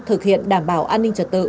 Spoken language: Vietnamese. thực hiện đảm bảo an ninh trật tự